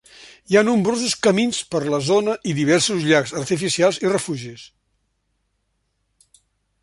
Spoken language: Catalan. Hi ha nombrosos camins per la zona i diversos llacs artificials i refugis.